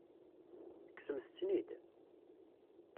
Tekksemt-ten-id?